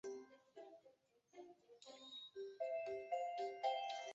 伊姆斯特附近米尔斯是奥地利蒂罗尔州伊姆斯特县的一个市镇。